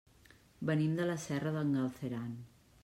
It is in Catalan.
Venim de la Serra d'en Galceran.